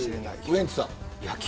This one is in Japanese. ウエンツさん。